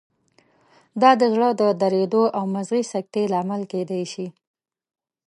دا د زړه د دریدو او مغزي سکتې لامل کېدای شي.